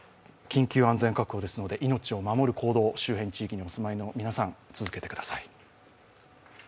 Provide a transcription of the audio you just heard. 緊急安全確保ですので命を守る行動を周辺地域にお住まいの皆さん、続けてください。